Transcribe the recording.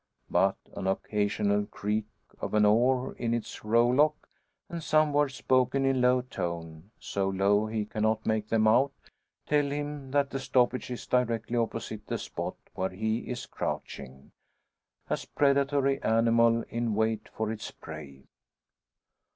But an occasional creak of an oar in its rowlock, and some words spoken in low tone so low he cannot make them out tell him that the stoppage is directly opposite the spot where he is crouching as predatory animal in wait for its prey.